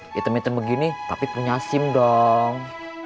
hitam hitam begini tapi punya sim dong